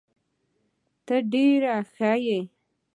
تا ډير ښه وي